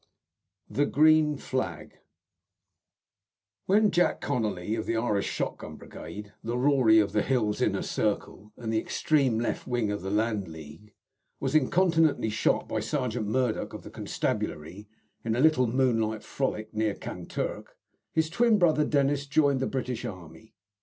THE GREEN FLAG When Jack Conolly, of the Irish Shotgun Brigade, the Rory of the Hills Inner Circle, and the extreme left wing of the Land League, was incontinently shot by Sergeant Murdoch of the constabulary, in a little moonlight frolic near Kanturk, his twin brother Dennis joined the British Army.